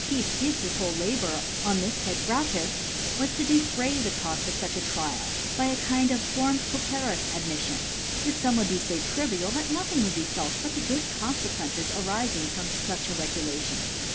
Peace gives his whole Labour ( I7J ) Labour on this Head gratis^ was to defray the Coft of fuch Trials (by a kind of forma pauperis Admiflion) the Sum would be fo trivial, that nothing^ would be felt but the good Confequences arifing from fuch a Re gylaiion?